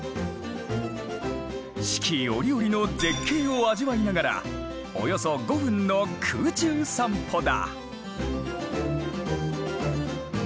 四季折々の絶景を味わいながらおよそ５分の空中散歩だ。